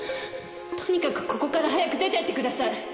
とにかくここから早く出ていってください。